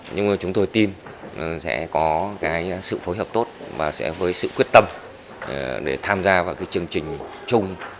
nhưng chúng tôi tin sẽ có sự phối hợp tốt và sẽ với sự quyết tâm để tham gia vào chương trình chung